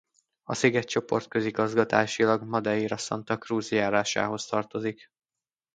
A szigetcsoport közigazgatásilag Madeira Santa Cruz járásához tartozik.